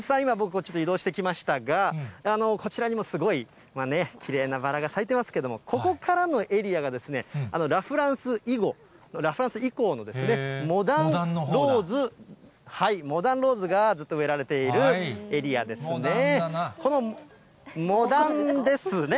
こっちに移動してきましたが、こちらにもすごいきれいなバラが咲いてますけれども、ここからのエリアが、ラ・フランス以降のモダンローズがずっと植えられているエリアでモダンだな。